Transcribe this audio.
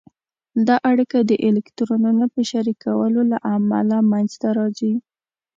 دا اړیکه د الکترونونو په شریکولو له امله منځته راځي.